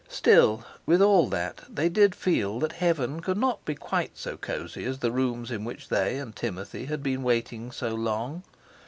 Still, with all that, they did feel that heaven could not be quite so cosy as the rooms in which they and Timothy had been waiting so long.